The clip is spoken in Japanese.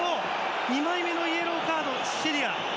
２枚目のイエローカードシェディラ。